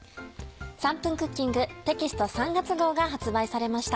『３分クッキング』テキスト３月号が発売されました。